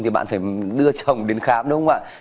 thì bạn phải đưa chồng đến khám đúng không ạ